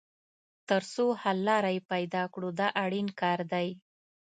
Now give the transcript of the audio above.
تر څو حل لاره یې پیدا کړو دا اړین کار دی.